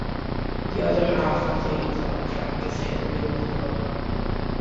The other half of the incline track is heavily overgrown.